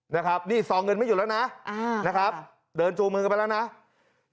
ดูว่านี่สองเงินไม่อยุ่แล้วนะดันจูมือกันจากนั้นนะ